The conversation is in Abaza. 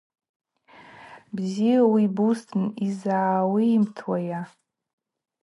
Бзи уибузтын, йызгӏауыйымтуайа?